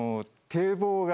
堤防が！